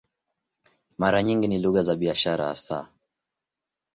Mara nyingi ni lugha za biashara hasa.